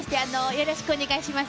よろしくお願いします。